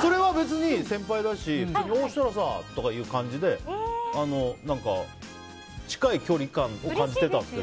それは別に先輩だしおお、設楽さんとかいう感じで近い距離感を感じていたんです。